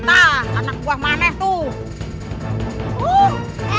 anak buah maneh tuh